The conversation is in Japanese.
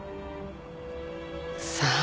さあ。